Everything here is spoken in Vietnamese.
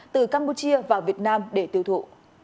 từ campuchia vào việt nam để tiêu thụ